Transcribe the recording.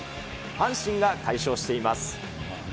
阪神が快勝しています。